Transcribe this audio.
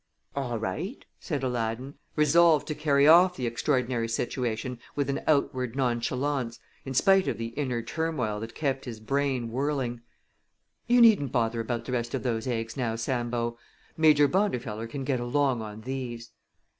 "All right," said Aladdin, resolved to carry off the extraordinary situation with an outward nonchalance, in spite of the inner turmoil that kept his brain whirling. "You needn't bother about the rest of those eggs now, Sambo. Major Bondifeller can get along on these."